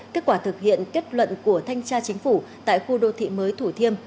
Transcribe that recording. kết quả thực hiện kết luận của thanh tra chính phủ tại khu đô thị mới thủ thiêm